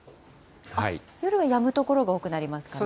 夜はやむ所が多くなりますかね。